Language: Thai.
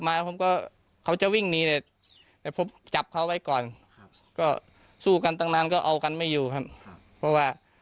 พอสักพักเขาก็วิ่งออกมาผมก็ได้ยินเสียงผมก็หันกลับมา